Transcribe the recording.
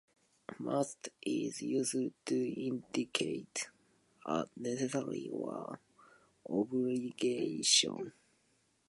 "Must" is used to indicate a necessity or obligation.